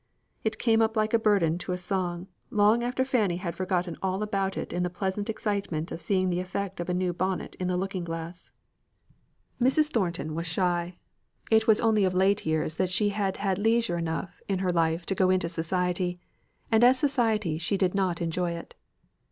It came up like a burden to a song, long after Fanny had forgotten all about it in the pleasant excitement of seeing the effect of a new bonnet in the looking glass. Mrs. Thornton was shy. It was only of late years that she had had leisure enough in her life to go into society; and as society she did not enjoy it.